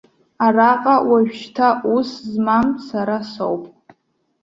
Араҟа уажәшьҭа ус змам сара соуп.